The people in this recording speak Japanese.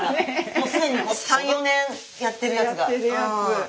もう既に３４年やってるやつが。